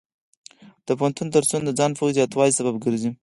د پوهنتون درسونه د ځان پوهې زیاتوالي سبب ګرځي.